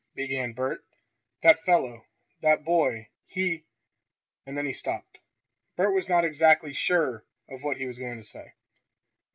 began Bert. "That fellow that boy he " and then he stopped. Bert was not exactly sure of what he was going to say.